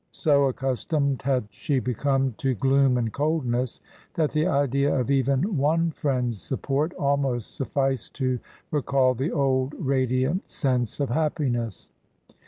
So accustomed had she become to gloom and coldness, that the idea of even one friend's support almost sufficed to recall the old ra diant sense of happiness.